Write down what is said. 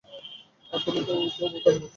আর তুমি সেই বোকার বউ।